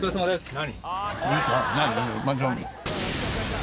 何？